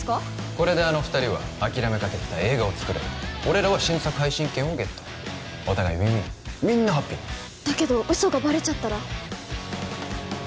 これであの二人は諦めかけてた映画を作れる俺らは新作配信権をゲットお互いウィンウィンみんなハッピーだけど嘘がバレちゃったら？